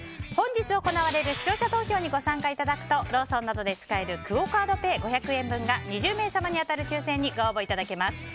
本日行われる視聴者投票にご参加いただくとローソンなどで使えるクオ・カードペイ５００円分が２０名様に当たる抽選にご応募いただけます。